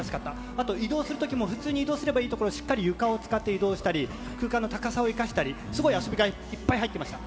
あと移動するときも、普通に移動すればいいところを、しっかり床を使って移動したり、空間の高さを生かしたり、すごい遊びがいっぱい入ってました。